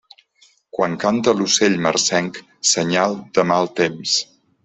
Quan canta l'ocell marcenc, senyal de mal temps.